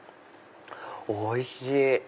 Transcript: おいしい！